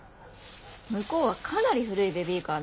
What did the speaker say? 向こうはかなり古いベビーカーね。